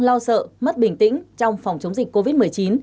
lo sợ mất bình tĩnh trong phòng chống dịch covid một mươi chín